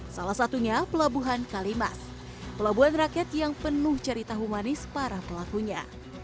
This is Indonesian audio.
salah satunya pelabuhan kalimas pelabuhan rakyat yang penuh cerita humanis para pelakunya